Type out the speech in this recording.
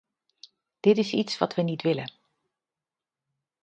Dit is iets wat we niet willen.